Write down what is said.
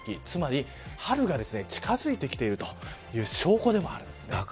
つまり春が近づいてきているという証拠でもあるんですね。